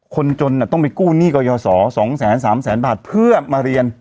คนจนอ่ะต้องไปกู้หนี้เกายสอสองแสนสามแสนบาทเพื่อมาเรียน